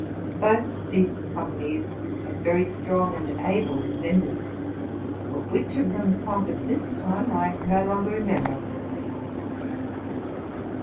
Both these companies had very strony sud able members ; but which of them conquered this time, | no longer remember.